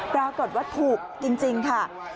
ปรากฏว่าถูกจริงค่ะ